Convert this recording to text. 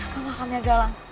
ke makamnya galang